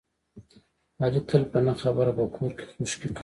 علي تل په نه خبره په کور کې خشکې کوي.